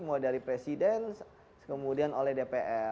mau dari presiden kemudian oleh dpr